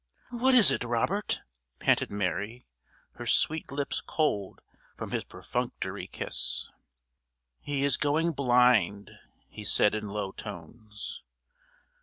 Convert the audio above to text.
"What is it, Robert?" panted Mary, her sweet lips cold from his perfunctory kiss. "He is going blind," he said in low tones.